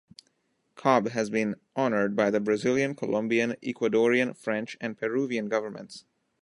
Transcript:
Cobb has been honored by the Brazilian, Colombian, Ecuadorian, French, and Peruvian governments.